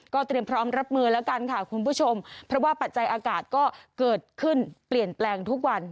เตรียมพร้อมรับมือแล้วกันค่ะคุณผู้ชมเพราะว่าปัจจัยอากาศก็เกิดขึ้นเปลี่ยนแปลงทุกวัน